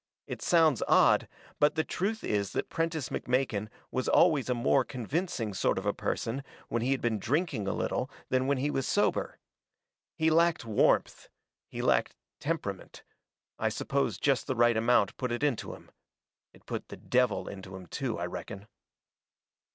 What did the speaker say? It sounds odd, but the truth is that Prentiss McMakin was always a more convincing sort of a person when he had been drinking a little than when he was sober. He lacked warmth he lacked temperament. I suppose just the right amount put it into him. It put the devil into him, too, I reckon.